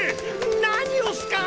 何をスか！？